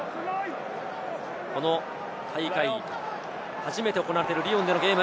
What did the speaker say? この大会、初めて行われているリヨンでのゲーム。